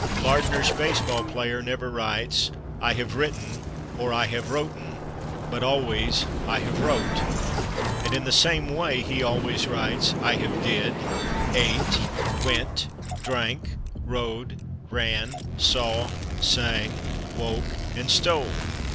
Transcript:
Lardner's baseball player never writes "I have /written/" or "I have /wroten/," but always "I have /wrote/." And in the same way he always writes, "I have /did/, /ate/, /went/, /drank/, /rode/, /ran/, /saw/, /sang/, /woke/ and /stole